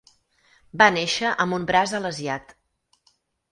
Va néixer amb un braç alesiat.